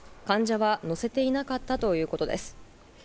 患者は乗せていなかったということです。